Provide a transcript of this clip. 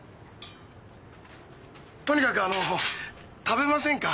とにかくあの食べませんか？